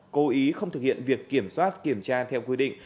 cố ý không thực hiện việc kiểm soát kiểm tra theo quy định